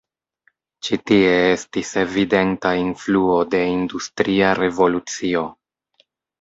Ĉi tie estis evidenta influo de industria revolucio.